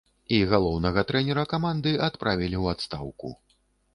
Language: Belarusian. І галоўнага трэнера каманды адправілі ў адстаўку.